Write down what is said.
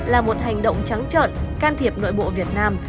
là một hành động trắng trợn can thiệp nội bộ việt nam